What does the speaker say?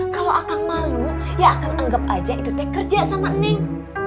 kalo akang malu ya akang anggap aja itu teh kerja sama neng